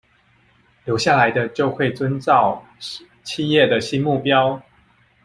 留下來的就會遵照企業的新目標